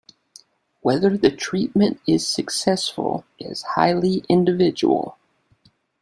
Whether the treatment is successful is highly individual.